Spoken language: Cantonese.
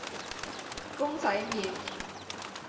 公仔麪